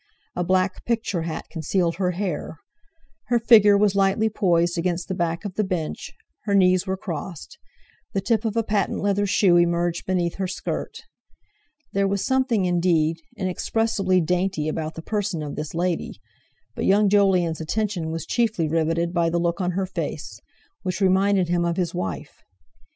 A black "picture" hat concealed the hair; her figure was lightly poised against the back of the bench, her knees were crossed; the tip of a patent leather shoe emerged beneath her skirt. There was something, indeed, inexpressibly dainty about the person of this lady, but young Jolyon's attention was chiefly riveted by the look on her face, which reminded him of his wife.